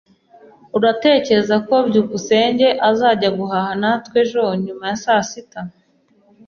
Uratekereza ko byukusenge azajya guhaha natwe ejo nyuma ya saa sita?